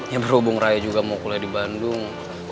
ya berhubung raya juga mau kuliah di bandung